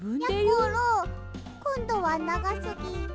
やころこんどはながすぎ。